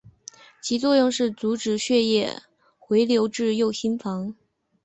其作用是阻止血液回流至右心房。